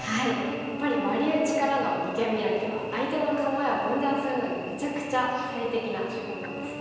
やっぱりワリ打ちからの二間ビラキは相手の構えを分断するのにめちゃくちゃ最適な手法なんですね。